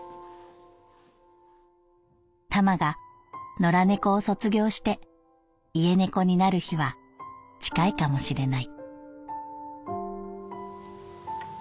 「タマが野良猫を卒業して家猫になる日は近いかもしれない」。